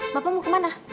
bapak mau kemana